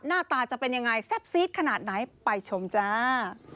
หน้าตาจะเป็นยังไงแซ่บซีดขนาดไหนไปชมจ้า